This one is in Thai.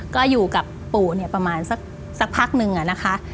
ก็อยู่กับปู่เนี่ยประมาณสักพักนึงอะนะคะ